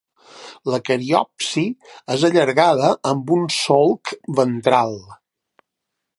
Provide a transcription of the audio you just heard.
La cariopsi és allargada amb un solc ventral.